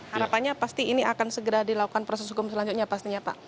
harapannya pasti ini akan segera dilakukan proses hukum selanjutnya pastinya pak